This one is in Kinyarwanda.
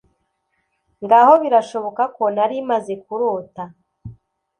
Ngaho birashoboka ko nari maze kurota